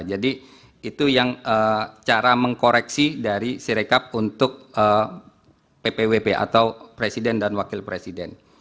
jadi itu yang cara mengkoreksi dari sirecap untuk ppwp atau presiden dan wakil presiden